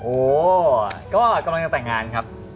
โอ้ก็กำลังจะแต่งงานครับ